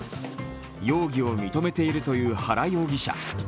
容疑を認めているという原容疑者